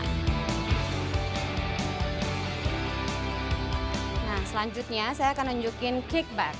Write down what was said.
nah selanjutnya saya akan nunjukin kickback